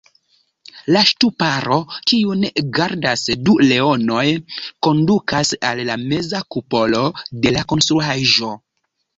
La ŝtuparo, kiun gardas du leonoj, kondukas al la meza kupolo de la konstruaĵo.